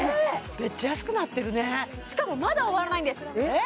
メッチャ安くなってるねしかもまだ終わらないんですえっ！？